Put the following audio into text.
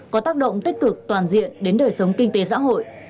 có tác động tích cực toàn diện đến đời sống kinh tế xã hội